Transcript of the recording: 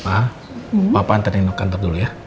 ma papa antar nino ke kantor dulu ya